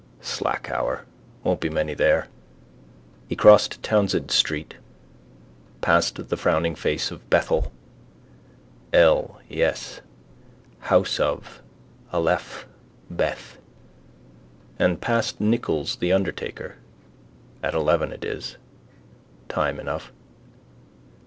Slack hour: won't be many there. He crossed Townsend street, passed the frowning face of Bethel. El, yes: house of: Aleph, Beth. And past Nichols' the undertaker. At eleven it is. Time enough.